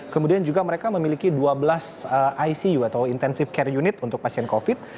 kemudian juga mereka memiliki dua belas icu atau intensive care unit untuk pasien covid